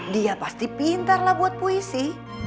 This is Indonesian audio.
dia pasti pintarlah buat puisi